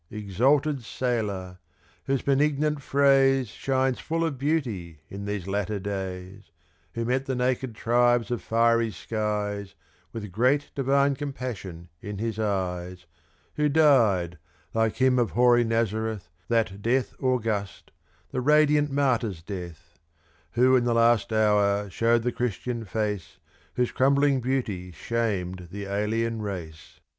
Exalted sailor! whose benignant phrase Shines full of beauty in these latter days; Who met the naked tribes of fiery skies With great, divine compassion in his eyes; Who died, like Him of hoary Nazareth, That death august the radiant martyr's death; Who in the last hour showed the Christian face Whose crumbling beauty shamed the alien race.